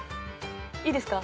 いいですか？